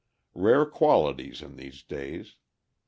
Rare qualities in these days!